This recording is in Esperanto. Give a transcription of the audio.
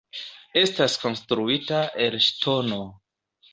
Estas konstruita el ŝtono.